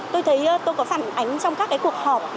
tôi thấy tôi có phản ánh trong các cái cuộc họp